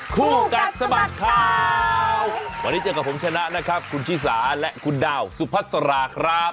คู่กัดสะบัดข่าววันนี้เจอกับผมชนะนะครับคุณชิสาและคุณดาวสุพัสราครับ